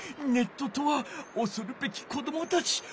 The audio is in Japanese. ネットとはおそるべき子どもたち。